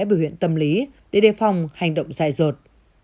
bảo hiểm tâm lý để đề phòng hành động dài rột